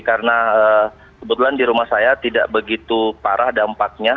karena kebetulan di rumah saya tidak begitu parah dampaknya